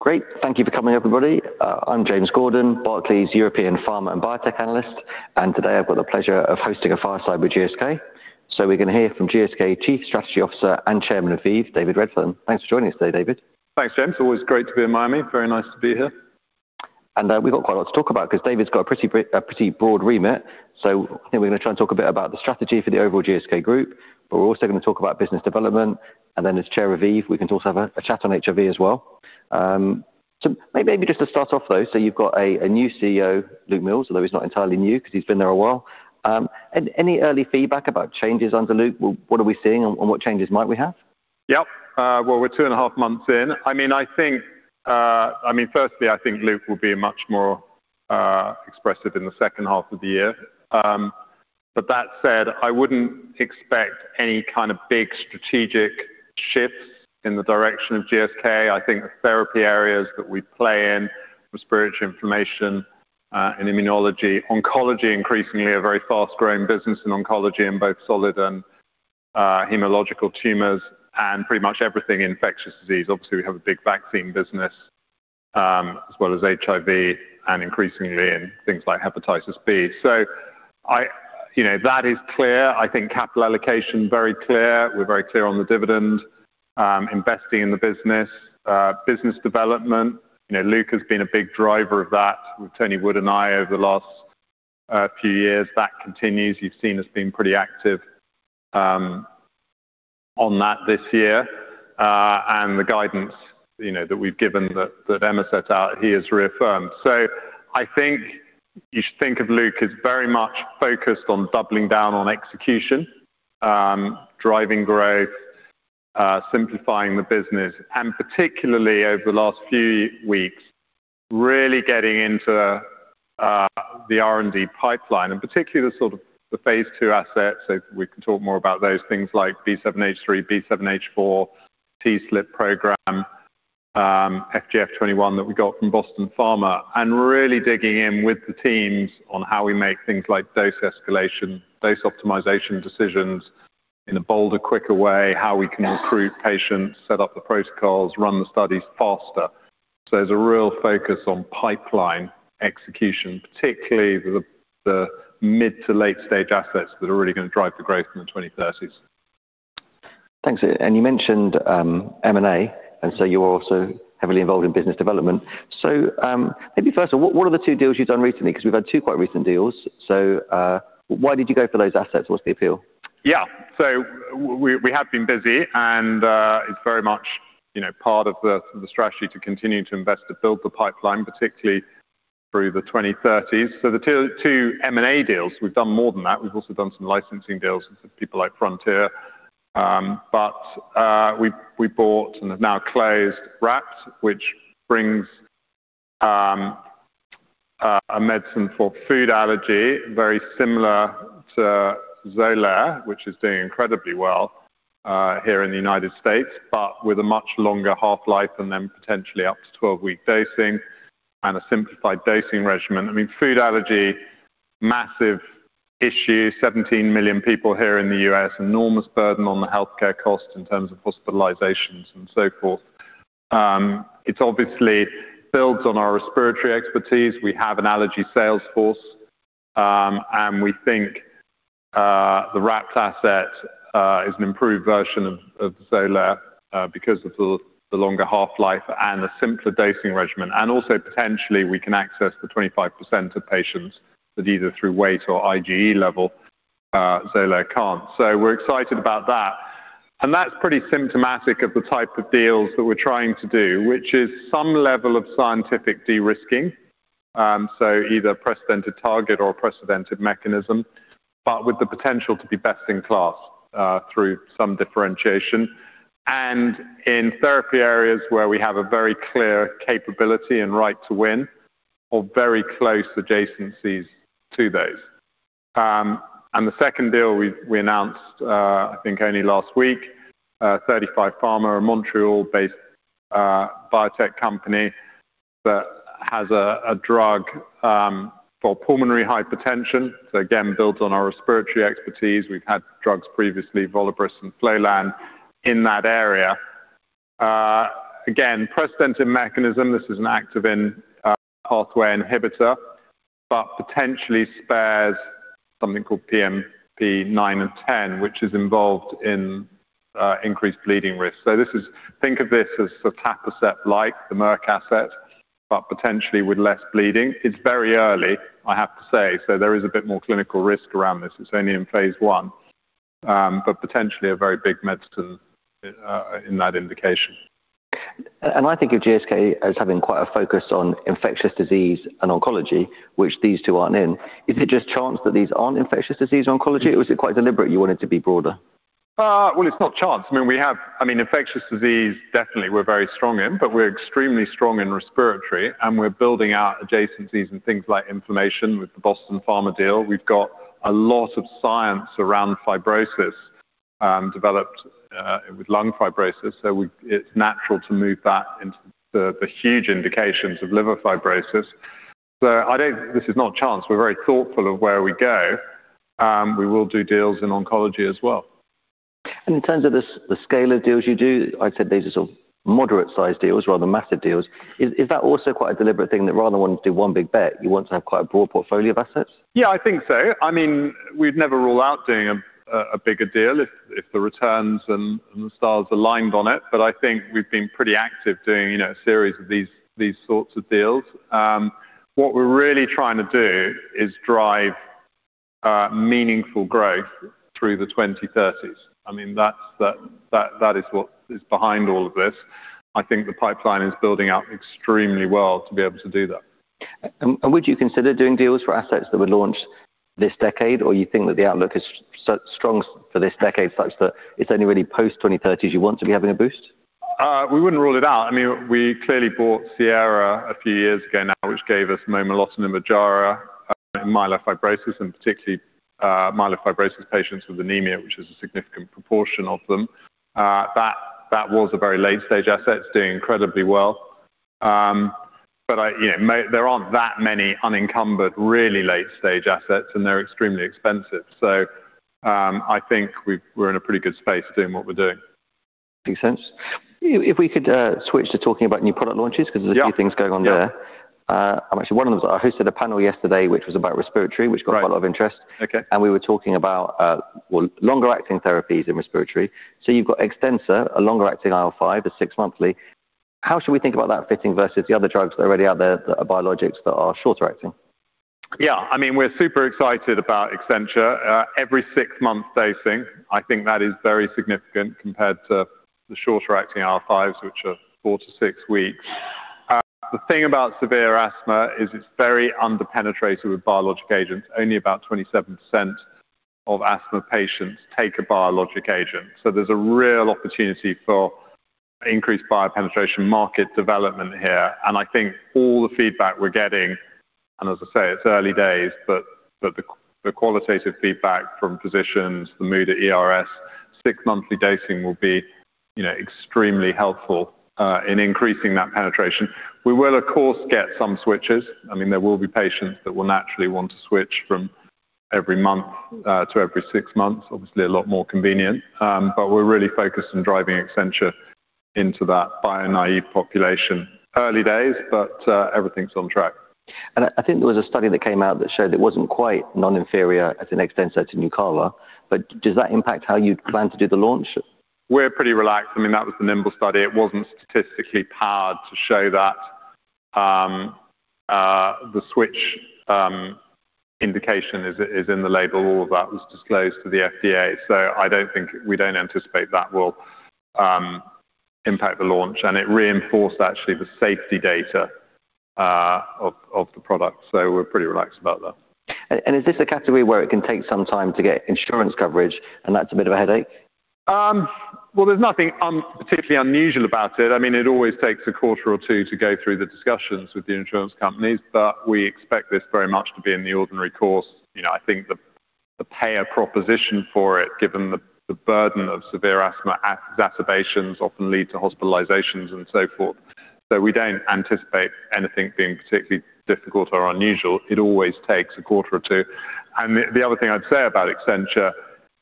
Great. Thank you for coming, everybody. I'm James Gordon, Barclays European Pharma and Biotech Analyst, and today I've got the pleasure of hosting a fireside with GSK. We're gonna hear from GSK Chief Strategy Officer and Chairman of ViiV, David Redfern. Thanks for joining us today, David. Thanks, James. Always great to be in Miami. Very nice to be here. We've got quite a lot to talk about 'cause David's got a pretty broad remit. Think we're gonna try and talk a bit about the strategy for the overall GSK group, but we're also gonna talk about business development, and then as Chair of ViiV, we can also have a chat on HIV as well. Maybe just to start off, though, you've got a new CEO, Luke Miels, although he's not entirely new 'cause he's been there a while. Any early feedback about changes under Luke? What are we seeing and what changes might we have? Yep. Well, we're two and a half months in. I mean, firstly, I think Luke will be much more expressive in the second half of the year. But that said, I wouldn't expect any kind of big strategic shifts in the direction of GSK. I think the therapy areas that we play in, respiratory, inflammation, and immunology. Oncology increasingly, a very fast-growing business in oncology, in both solid and hematological tumors, and pretty much everything infectious disease. Obviously, we have a big Vaccine business, as well as HIV and increasingly in things like hepatitis B. I, you know, that is clear. I think capital allocation, very clear. We're very clear on the dividend. Investing in the business. Business development. You know, Luke has been a big driver of that with Tony Wood and I over the last few years. That continues. You've seen us being pretty active on that this year. The guidance, you know, that we've given that Emma set out, he has reaffirmed. I think you should think of Luke as very much focused on doubling down on execution, driving growth, simplifying the business, and particularly over the last few weeks, really getting into the R&D pipeline, and particularly the sort of phase II assets. We can talk more about those things like B7-H3, B7-H4, TSLP program, FGF21 that we got from Hansoh Pharma. Really digging in with the teams on how we make things like dose escalation, dose optimization decisions in a bolder, quicker way, how we can recruit patients, set up the protocols, run the studies faster. There's a real focus on pipeline execution, particularly the mid to late stage assets that are really gonna drive the growth in the 2030s. Thanks. You mentioned M&A, and so you're also heavily involved in business development. Maybe first, what are the two deals you've done recently? 'Cause we've had two quite recent deals. Why did you go for those assets? What's the appeal? We have been busy, and it's very much, you know, part of the strategy to continue to invest, to build the pipeline, particularly through the 2030s. The two M&A deals, we've done more than that. We've also done some licensing deals with people like Frontier. But we bought and have now closed RAPT, which brings a medicine for food allergy, very similar to Xolair, which is doing incredibly well here in the United States, but with a much longer half-life and then potentially up to 12-week dosing and a simplified dosing regimen. I mean, food allergy, massive issue. 17 million people here in the U.S. Enormous burden on the healthcare cost in terms of hospitalizations and so forth. It obviously builds on our respiratory expertise. We have an allergy sales force, and we think the RAPT asset is an improved version of Xolair because of the longer half-life and the simpler dosing regimen. Also, potentially, we can access the 25% of patients that either through weight or IgE level Xolair can't. We're excited about that. That's pretty symptomatic of the type of deals that we're trying to do, which is some level of scientific de-risking, so either precedented target or precedented mechanism, but with the potential to be best in class through some differentiation. In therapy areas where we have a very clear capability and right to win or very close adjacencies to those. The second deal we announced, I think only last week, 35Pharma, a Montreal-based biotech company that has a drug for pulmonary hypertension. Again, builds on our respiratory expertise. We've had drugs previously, Volibris and Flolan, in that area. Again, precedented mechanism. This is an activin pathway inhibitor, but potentially spares something called BMP9 and BMP10, which is involved in increased bleeding risk. Think of this as sotatercept-like, the Merck asset, but potentially with less bleeding. It's very early, I have to say, so there is a bit more clinical risk around this. It's only in phase I. Potentially a very big medicine in that indication. I think of GSK as having quite a focus on infectious disease and oncology, which these two aren't in. Is it just chance that these aren't infectious disease and oncology, or is it quite deliberate you want it to be broader? Well, it's not chance. I mean, infectious disease, definitely we're very strong in, but we're extremely strong in respiratory, and we're building out adjacencies in things like inflammation with the Boston Pharma deal. We've got a lot of science around fibrosis, developed with lung fibrosis, so it's natural to move that into the huge indications of liver fibrosis. This is not chance. We're very thoughtful of where we go. We will do deals in oncology as well. In terms of the scale of deals you do, I'd say these are sort of moderate-sized deals rather than massive deals. Is that also quite a deliberate thing that rather than want to do one big bet, you want to have quite a broad portfolio of assets? Yeah, I think so. I mean, we'd never rule out doing a bigger deal if the returns and the stars aligned on it. I think we've been pretty active doing, you know, a series of these sorts of deals. What we're really trying to do is drive meaningful growth through the 2030s. I mean, that's what is behind all of this. I think the pipeline is building out extremely well to be able to do that. Would you consider doing deals for assets that were launched this decade? Or you think that the outlook is so strong for this decade such that it's only really post-2030s you want to be having a boost? We wouldn't rule it out. I mean, we clearly bought Sierra a few years ago now, which gave us momelotinib (Ojjaara) in myelofibrosis, and particularly, myelofibrosis patients with anemia, which is a significant proportion of them. That was a very late-stage asset. It's doing incredibly well. But I, you know, there aren't that many unencumbered really late-stage assets, and they're extremely expensive. I think we're in a pretty good space doing what we're doing. Makes sense. If we could, switch to talking about new product launches 'cause there's a few things going on there. Actually, one of them is, I hosted a panel yesterday, which was about respiratory- Right. ...which got a lot of interest. Okay. We were talking about longer-acting therapies in respiratory. You've got Exdensur, a longer-acting IL-5, a six-monthly. How should we think about that fitting versus the other drugs that are already out there that are biologics that are shorter acting? Yeah. I mean, we're super excited about Exdensur. Every six-month dosing, I think that is very significant compared to the shorter-acting IL-5s, which are four to six weeks. The thing about severe asthma is it's very under-penetrated with biologic agents. Only about 27% of asthma patients take a biologic agent. So there's a real opportunity for increased biologic penetration market development here. I think all the feedback we're getting, and as I say, it's early days, but the qualitative feedback from physicians, the mood at ERS, six-monthly dosing will be, you know, extremely helpful in increasing that penetration. We will, of course, get some switches. I mean, there will be patients that will naturally want to switch from every month to every six months, obviously a lot more convenient. We're really focused on driving Exdensur into that bio-naive population. Early days, but, everything's on track. I think there was a study that came out that showed it wasn't quite non-inferior as an alternative to Nucala. Does that impact how you plan to do the launch? We're pretty relaxed. I mean, that was the NIMBLE study. It wasn't statistically powered to show that, the switch indication is in the label. All of that was disclosed to the FDA. We don't anticipate that will impact the launch. It reinforced actually the safety data of the product. We're pretty relaxed about that. Is this a category where it can take some time to get insurance coverage, and that's a bit of a headache? There's nothing particularly unusual about it. I mean, it always takes a quarter or two to go through the discussions with the insurance companies, but we expect this very much to be in the ordinary course. You know, I think the payer proposition for it, given the burden of severe asthma exacerbations often lead to hospitalizations and so forth. We don't anticipate anything being particularly difficult or unusual. It always takes a quarter or two. The other thing I'd say about Exdensur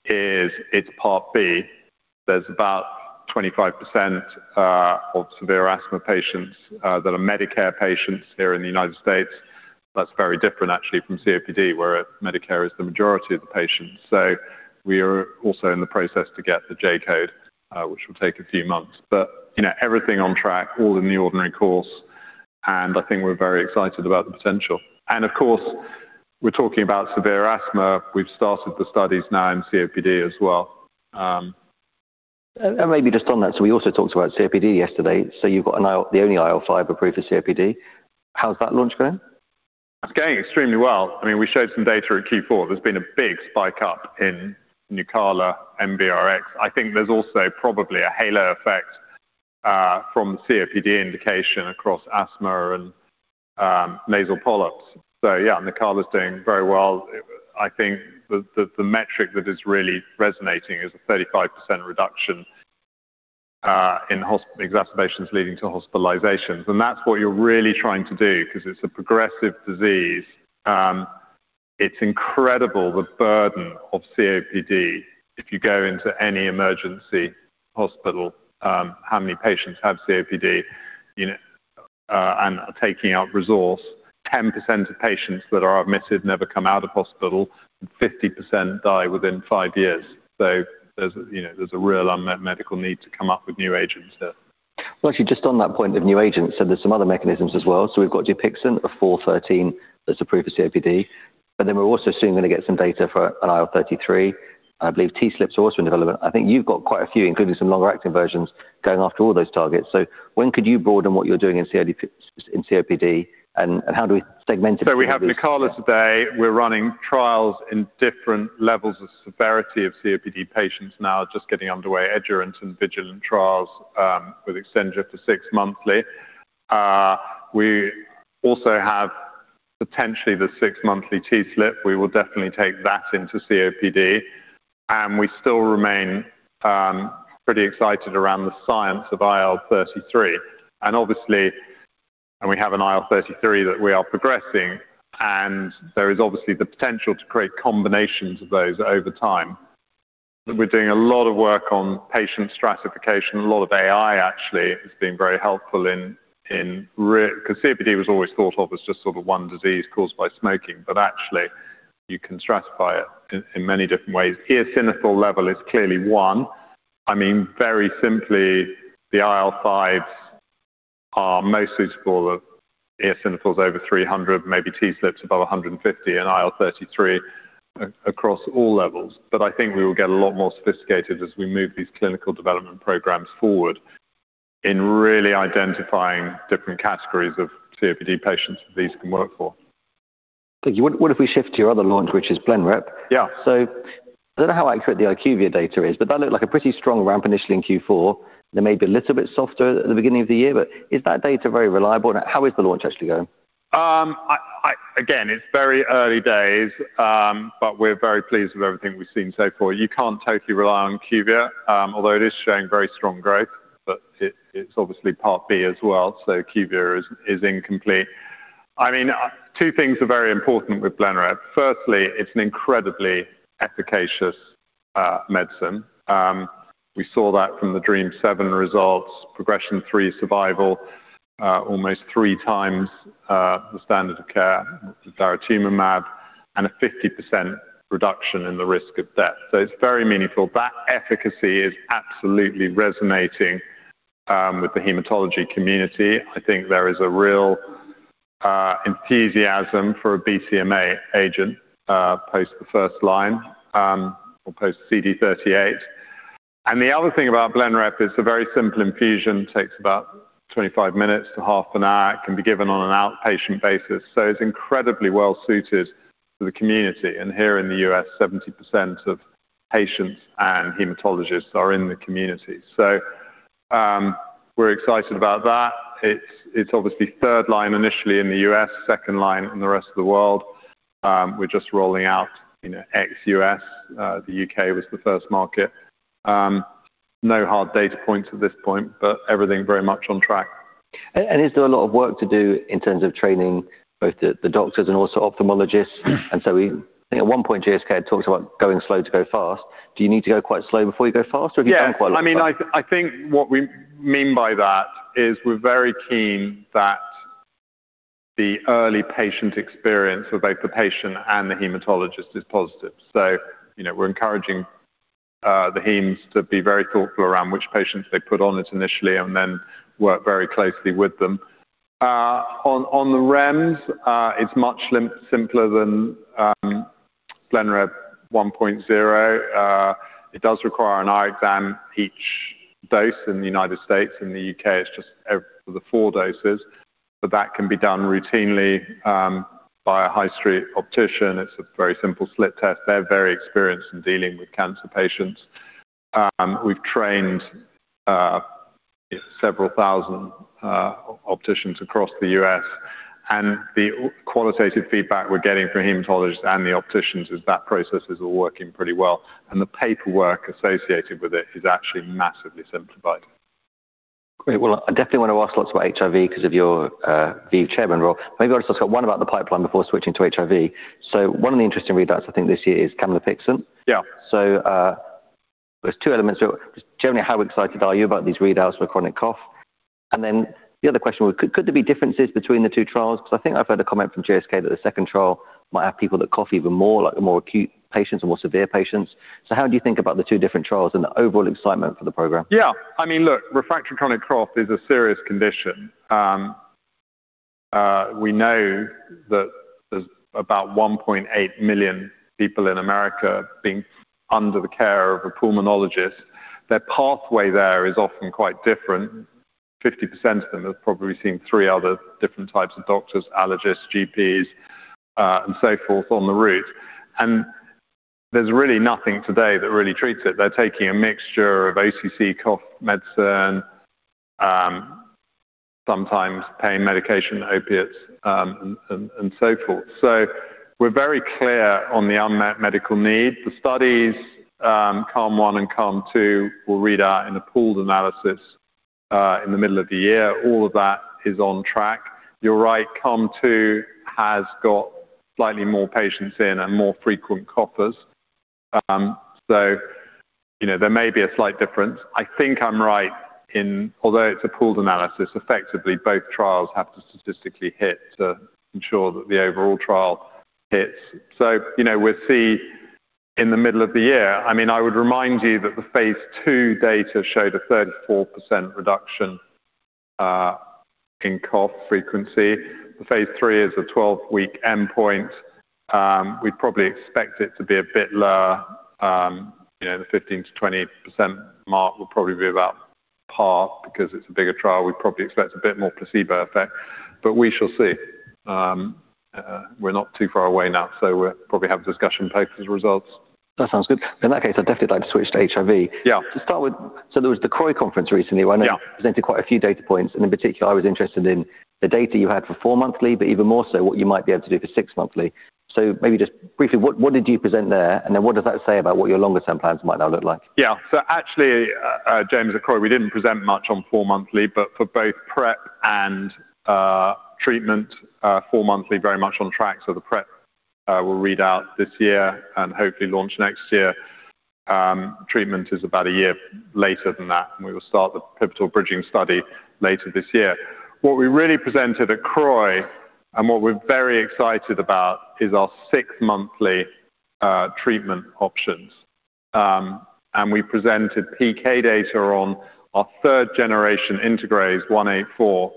is it's Part B. There's about 25% of severe asthma patients that are Medicare patients here in the United States. That's very different actually from COPD, where Medicare is the majority of the patients. We are also in the process to get the J-code, which will take a few months. You know, everything on track, all in the ordinary course, and I think we're very excited about the potential. Of course, we're talking about severe asthma. We've started the studies now in COPD as well. Maybe just on that. We also talked about COPD yesterday. You've got an IL, the only IL-5 approved for COPD. How's that launch going? It's going extremely well. I mean, we showed some data at Q4. There's been a big spike up in Nucala NBRx. I think there's also probably a halo effect from COPD indication across asthma and nasal polyps. Yeah, Nucala's doing very well. I think the metric that is really resonating is a 35% reduction in exacerbations leading to hospitalizations. That's what you're really trying to do 'cause it's a progressive disease. It's incredible the burden of COPD. If you go into any emergency hospital, how many patients have COPD, you know, and are taking up resource. 10% of patients that are admitted never come out of hospital, and 50% die within five years. There's a real unmet medical need to come up with new agents there. Well, actually, just on that point of new agents, so there's some other mechanisms as well. We've got Dupixent, an IL-13 that's approved for COPD. We're also soon going to get some data for an IL-33. I believe TSLPs are also in development. I think you've got quite a few, including some longer-acting versions, going after all those targets. When could you broaden what you're doing in COPD and how do we segment it between those? We have Nucala today. We're running trials in different levels of severity of COPD patients now, just getting underway. EDGERANT and VIGILANT trials with Exdensur to six-monthly. We also have potentially the six-monthly TSLP. We will definitely take that into COPD. We still remain pretty excited around the science of IL-33. We have an IL-33 that we are progressing, and there is obviously the potential to create combinations of those over time. We're doing a lot of work on patient stratification. A lot of AI actually has been very helpful in redefining 'cause COPD was always thought of as just sort of one disease caused by smoking. But actually, you can stratify it in many different ways. Eosinophil level is clearly one. I mean, very simply, the IL-5s are most suitable for eosinophils over 300, maybe TSLP above 150 and IL-33 across all levels. I think we will get a lot more sophisticated as we move these clinical development programs forward in really identifying different categories of COPD patients that these can work for. Thank you. What if we shift to your other launch, which is Blenrep? Yeah. I don't know how accurate the IQVIA data is, but that looked like a pretty strong ramp initially in Q4. They may be a little bit softer at the beginning of the year, but is that data very reliable? How is the launch actually going? Again, it's very early days, but we're very pleased with everything we've seen so far. You can't totally rely on IQVIA, although it is showing very strong growth. It's obviously Part B as well, so IQVIA is incomplete. I mean, two things are very important with Blenrep. Firstly, it's an incredibly efficacious medicine. We saw that from the DREAMM-7 results, progression-free survival almost three times the standard of care, daratumumab, and a 50% reduction in the risk of death. It's very meaningful. That efficacy is absolutely resonating with the hematology community. I think there is a real enthusiasm for a BCMA agent post the first line or post CD38. The other thing about Blenrep is the very simple infusion. It takes about 25 minutes to half an hour. It can be given on an outpatient basis. It's incredibly well-suited for the community. Here in the U.S., 70% of patients and hematologists are in the community. We're excited about that. It's obviously third line initially in the U.S., second line in the rest of the world. We're just rolling out, you know, ex-U.S. The U.K. was the first market. No hard data points at this point, but everything very much on track. Is there a lot of work to do in terms of training both the doctors and also ophthalmologists? I think at one point, GSK had talked about going slow to go fast. Do you need to go quite slow before you go fast, or have you gone quite a lot fast? Yeah. I mean, I think what we mean by that is we're very keen that the early patient experience with both the patient and the hematologist is positive. You know, we're encouraging the hemes to be very thoughtful around which patients they put on it initially and then work very closely with them. On the REMS, it's much simpler than Blenrep 1.0. It does require an eye exam each dose in the United States. In the U.K., it's just the four doses. But that can be done routinely by a high street optician. It's a very simple slit test. They're very experienced in dealing with cancer patients. We've trained several thousand opticians across the U.S. The qualitative feedback we're getting from hematologists and the opticians is that process is all working pretty well. The paperwork associated with it is actually massively simplified. Great. Well, I definitely want to ask lots about HIV 'cause of your being Chairman role. Maybe I'll just ask one about the pipeline before switching to HIV. One of the interesting readouts I think this year is camlipixant. There's two elements. Generally, how excited are you about these readouts for chronic cough? And then the other question was could there be differences between the two trials? 'Cause I think I've heard a comment from GSK that the second trial might have people that cough even more, like the more acute patients or more severe patients. How do you think about the two different trials and the overall excitement for the program? I mean, look, refractory chronic cough is a serious condition. We know that there's about 1.8 million people in America being under the care of a pulmonologist. Their pathway there is often quite different. 50% of them have probably seen three other different types of doctors, allergists, GPs, and so forth on the route. There's really nothing today that really treats it. They're taking a mixture of OTC cough medicine, sometimes pain medication, opiates, and so forth. We're very clear on the unmet medical need. The studies, CALM-1 and CALM-2 will read out in a pooled analysis, in the middle of the year. All of that is on track. You're right. CALM-2 has got slightly more patients in and more frequent coughers. You know, there may be a slight difference. I think I'm right in although it's a pooled analysis, effectively both trials have to statistically hit to ensure that the overall trial hits. You know, we'll see in the middle of the year. I mean, I would remind you that the phase II data showed a 34% reduction in cough frequency. The phase III is a 12-week endpoint. We probably expect it to be a bit lower. You know, the 15%-20% mark will probably be about par because it's a bigger trial. We probably expect a bit more placebo effect, but we shall see. We're not too far away now, so we'll probably have a discussion post these results. That sounds good. In that case, I'd definitely like to switch to HIV. To start with, there was the CROI conference recently. Where you presented quite a few data points, and in particular, I was interested in the data you had for four monthly, but even more so what you might be able to do for six monthly. Maybe just briefly, what did you present there? Then what does that say about what your longer-term plans might now look like? Yeah. Actually, James, at CROI, we didn't present much on four-monthly, but for both PrEP and treatment, four-monthly very much on track. The PrEP will read out this year and hopefully launch next year. Treatment is about a year later than that, and we will start the pivotal bridging study later this year. What we really presented at CROI, and what we're very excited about is our six-monthly treatment options. And we presented PK data on our third-generation integrase VH184,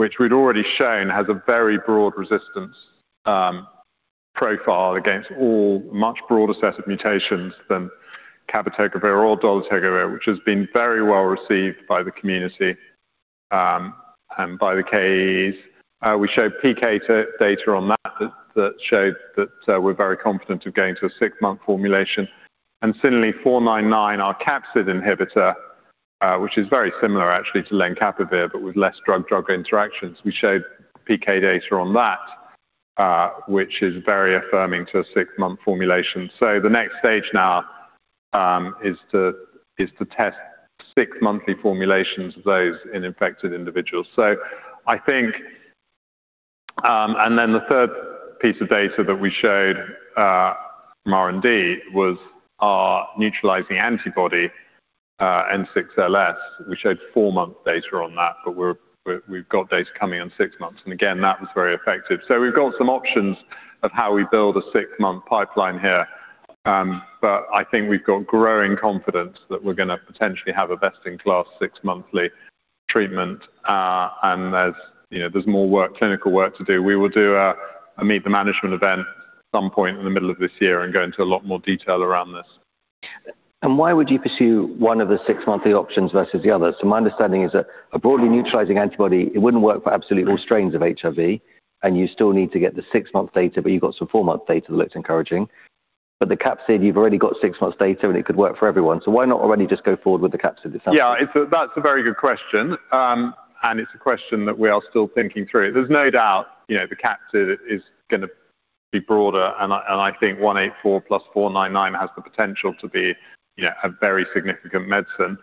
which we'd already shown has a very broad resistance profile against a much broader set of mutations than cabotegravir or dolutegravir, which has been very well-received by the community and by the KOLs. We showed PK data on that that showed that we're very confident of going to a six-month formulation. Similarly, GSK3640499, our capsid inhibitor, which is very similar actually to lenacapavir but with less drug-drug interactions. We showed PK data on that, which is very affirming to a six-month formulation. The next stage now is to test six monthly formulations of those in infected individuals. I think then the third piece of data that we showed from R&D was our neutralizing antibody, N6LS. We showed four-month data on that, but we've got data coming in six months. Again, that was very effective. We've got some options of how we build a six-month pipeline here. I think we've got growing confidence that we're gonna potentially have a best-in-class six monthly treatment. There's you know, there's more work, clinical work to do. We will do a meet the management event at some point in the middle of this year and go into a lot more detail around this. Why would you pursue one of the six-monthly options versus the other? My understanding is that a broadly neutralizing antibody, it wouldn't work for absolutely all strains of HIV, and you still need to get the six-month data, but you've got some four-month data that looks encouraging. The capsid, you've already got six months data, and it could work for everyone. Why not already just go forward with the capsid assumption? Yeah. That's a very good question. It's a question that we are still thinking through. There's no doubt, you know, the capsid is gonna be broader, and I think 184 plus 499 has the potential to be, you know, a very significant medicine.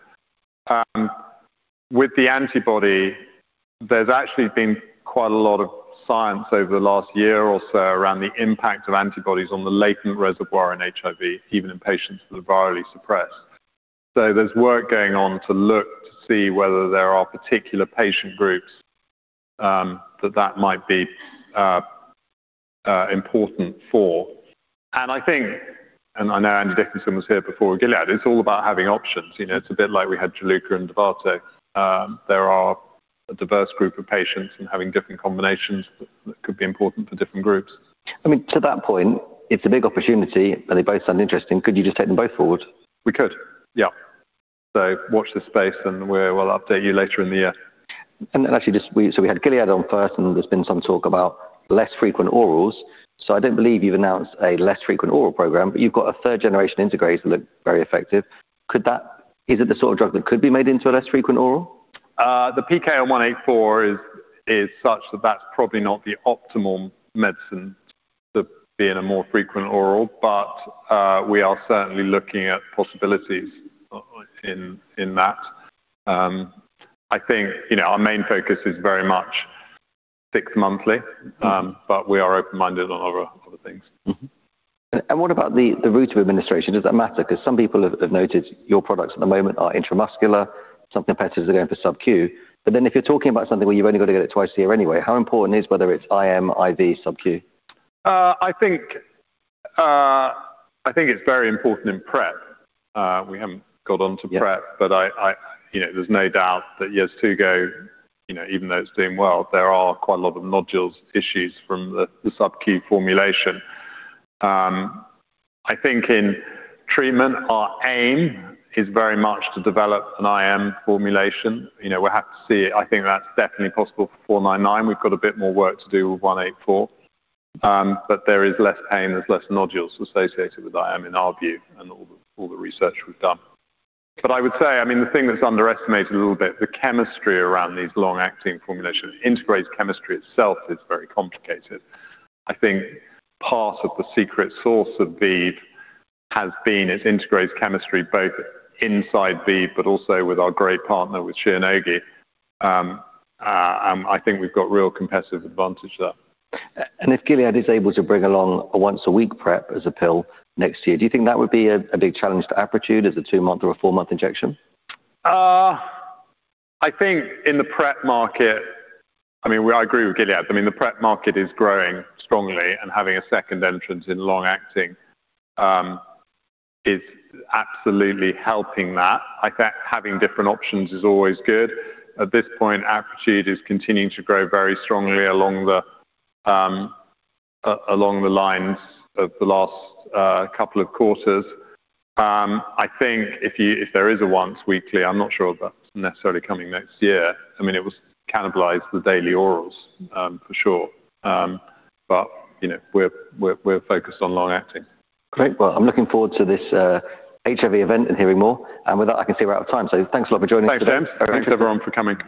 With the antibody, there's actually been quite a lot of science over the last year or so around the impact of antibodies on the latent reservoir in HIV, even in patients that are virally suppressed. There's work going on to look to see whether there are particular patient groups that might be important for. I think, and I know Andy Dickinson was here before with Gilead, it's all about having options. You know, it's a bit like we had Juluca and Dovato. There are a diverse group of patients and having different combinations that could be important for different groups. I mean, to that point, it's a big opportunity, and they both sound interesting. Could you just take them both forward? We could, yeah. Watch this space, and we'll update you later in the year. Actually, so we had Gilead on first, and there's been some talk about less frequent orals. I don't believe you've announced a less frequent oral program, but you've got a third-generation integrase that looked very effective. Is it the sort of drug that could be made into a less frequent oral? The PK on 184 is such that that's probably not the optimal medicine to be in a more frequent oral, but we are certainly looking at possibilities in that. I think, you know, our main focus is very much six monthly, but we are open-minded on other things. What about the route of administration? Does that matter? 'Cause some people have noted your products at the moment are intramuscular. Some competitors are going for sub-Q. If you're talking about something where you only gotta get it twice a year anyway, how important is whether it's IM, IV, sub-Q? I think it's very important in PrEP. We haven't got on to PrEP. You know, there's no doubt that years to go, you know, even though it's doing well, there are quite a lot of nodule issues from the sub-Q formulation. I think in treatment, our aim is very much to develop an IM formulation. You know, we'll have to see. I think that's definitely possible for four nine nine. We've got a bit more work to do with one eight four. But there is less pain, there's less nodules associated with IM in our view and all the research we've done. But I would say, I mean, the thing that's underestimated a little bit, the chemistry around these long-acting formulations. Integrase chemistry itself is very complicated. I think part of the secret sauce of ViiV has been its integrase chemistry, both inside ViiV but also with our great partner with Shionogi. I think we've got real competitive advantage there. If Gilead is able to bring along a once-a-week PrEP as a pill next year, do you think that would be a big challenge to Apretude as a two-month or a four-month injection? I think in the PrEP market—I mean, we, I agree with Gilead. I mean, the PrEP market is growing strongly, and having a second entrant in long-acting is absolutely helping that. I think having different options is always good. At this point, Apretude is continuing to grow very strongly along the lines of the last couple of quarters. I think if you, if there is a once weekly, I'm not sure that's necessarily coming next year. I mean, it will cannibalize the daily orals, for sure. But, you know, we're focused on long-acting. Great. Well, I'm looking forward to this, HIV event and hearing more. With that, I can see we're out of time. Thanks a lot for joining us today. Thanks, James. Thanks, everyone for coming.